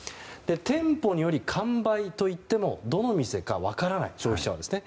店舗により完売といってもどの店か分からない消費者はですね。